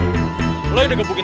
kita yang gebukin